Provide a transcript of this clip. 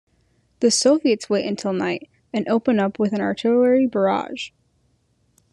The Soviets wait until night, and open up with an artillery barrage.